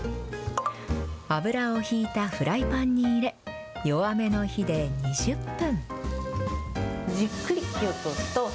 油を引いたフライパンに入れ、弱めの火で２０分。